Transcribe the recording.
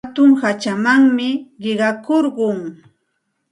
Hatun hachamanmi qiqakurqun.